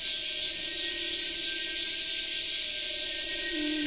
うん。